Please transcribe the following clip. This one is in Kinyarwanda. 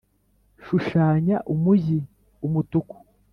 shushanya umujyi umutuku